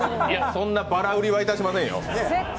いや、そんなばら売りはいたしませんよ。